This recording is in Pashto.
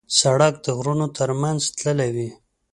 سړک د غرونو تر منځ تللی وي.